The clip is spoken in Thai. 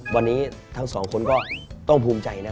วันนี้ทั้งสองคนก็ต้องภูมิใจนะ